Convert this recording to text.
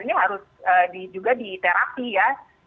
ini harus juga diterapi ya